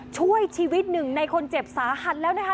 ช่วยชีวิตหนึ่งในคนเจ็บสาหัสแล้วนะคะ